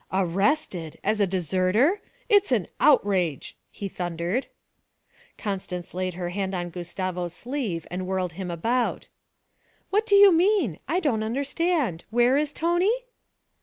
'Arrested as a deserter? It's an outrage!' he thundered. Constance laid her hand on Gustavo's sleeve and whirled him about. 'What do you mean? I don't understand. Where is Tony?'